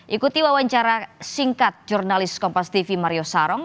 ikuti wawancara singkat jurnalis kompas tv mario sarong